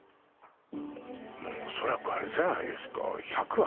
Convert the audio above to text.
もうおそらくあれじゃないですか？